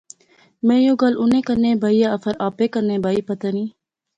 میں یو گل انیں کنے بائی یا فیر آپے کنے بائی، پتہ نی